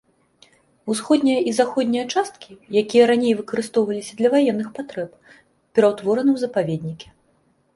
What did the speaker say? Усходняя і заходняя часткі, якія раней выкарыстоўваліся для ваенных патрэб, пераўтвораны ў запаведнікі.